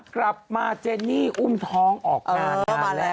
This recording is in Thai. กลับมาเจนี่อุ้มท้องออกนานเมื่อแรกเลย